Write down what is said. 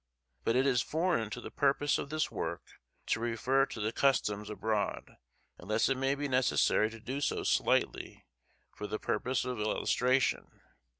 But it is foreign to the purpose of this work to refer to the customs abroad, unless it may be necessary to do so slightly, for the purpose of illustration.